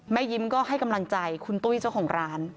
ยิ้มก็ให้กำลังใจคุณตุ้ยเจ้าของร้าน